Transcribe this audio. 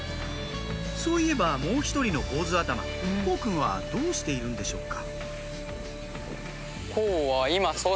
そういえばもう１人の坊ず頭幸くんはどうしているんでしょうか？